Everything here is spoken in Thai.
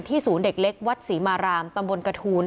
ศูนย์เด็กเล็กวัดศรีมารามตำบลกระทูล